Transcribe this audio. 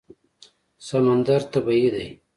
سمندر طبیعي دی.